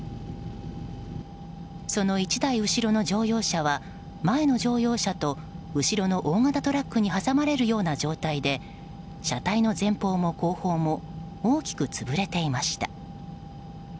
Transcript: その１台後ろの乗用車は前の乗用車と後ろの大型トラックに挟まれるような状態で車体の前方も後方も大きく潰れていました。